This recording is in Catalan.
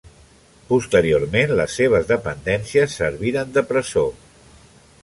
Posteriorment les seves dependències serviren de presó.